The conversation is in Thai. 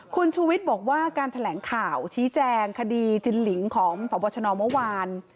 คุณชูวิทย์บอกว่าการแถลงข่าวชี้แจงคดีจินหลิงของพบชนเมื่อวาน